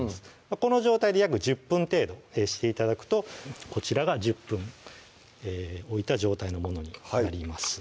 この状態で約１０分程度して頂くとこちらが１０分置いた状態のものになります